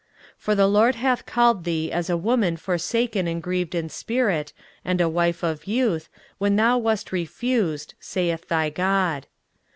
23:054:006 For the LORD hath called thee as a woman forsaken and grieved in spirit, and a wife of youth, when thou wast refused, saith thy God.